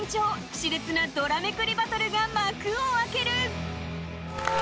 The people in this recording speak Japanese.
熾烈なドラめくりバトルが幕を開ける！